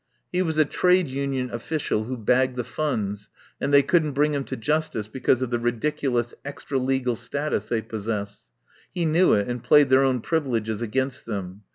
He was a trade union official who bagged the funds, and they couldn't bring him to justice because of the ridiculous extra legal status they possess. He knew it, and played their own privileges against them.